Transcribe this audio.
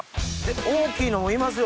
大きいのもいますよ。